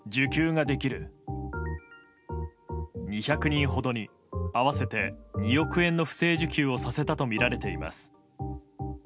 ２００人ほどに合わせて２億円の不正受給をさせたとみられています。